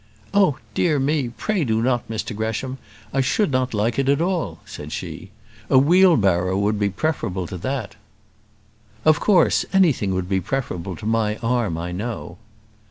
"Oh, dear me! pray do not, Mr Gresham. I should not like it at all," said she: "a wheelbarrow would be preferable to that." "Of course. Anything would be preferable to my arm, I know."